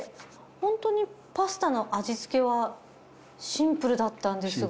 本当にパスタの味付けはシンプルだったんですが。